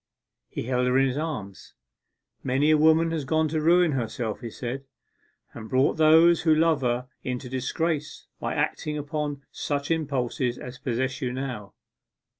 He held her in his arms. 'Many a woman has gone to ruin herself,' he said, 'and brought those who love her into disgrace, by acting upon such impulses as possess you now.